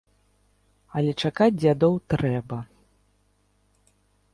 Але чакаць дзядоў трэба.